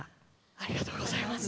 ありがとうございます。